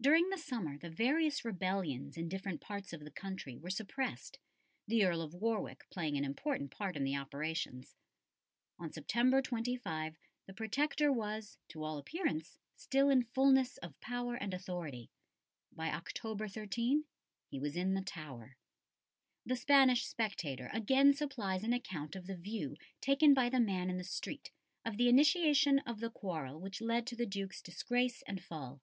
During the summer the various rebellions in different parts of the country were suppressed, the Earl of Warwick playing an important part in the operations. On September 25 the Protector was, to all appearance, still in fulness of power and authority. By October 13 he was in the Tower. The Spanish spectator again supplies an account of the view taken by the man in the street of the initiation of the quarrel which led to the Duke's disgrace and fall.